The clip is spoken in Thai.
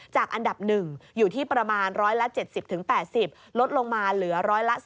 อันดับ๑อยู่ที่ประมาณ๑๗๐๘๐ลดลงมาเหลือ๑๑๐